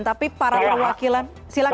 tapi para perwakilan silakan